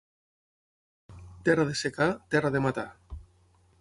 Terra de secà, terra de matar.